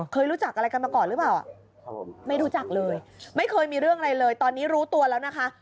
เคยรู้จักอะไรกันมาก่อนหรือเปล่าไม่รู้จักเลยไม่เคยมีเรื่องอะไรเลยตอนนี้รู้ตัวแล้วนะคะ